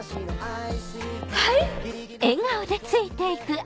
はい！